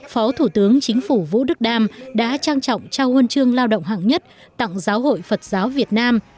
phó thủ tướng chính phủ vũ đức đam đã trang trọng trao huân chương lao động hạng nhất tặng giáo hội phật giáo việt nam